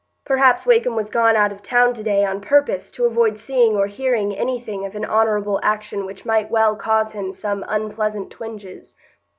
Perhaps Wakem was gone out of town to day on purpose to avoid seeing or hearing anything of an honourable action which might well cause him some unpleasant twinges.